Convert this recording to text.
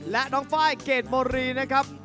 และน้องไฟล์เกรดโมรีนะครับ